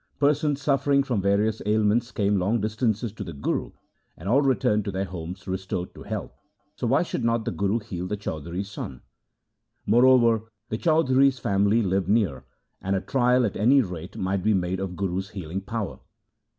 Persons suffering from various ailments came long distances to the Guru, and all returned to their homes restored to health, so why should not the Guru heal the Chaudhri's son ? Moreover, the Chaudhri' s family lived near, and a trial at any rate might be made of the Guru's healing power.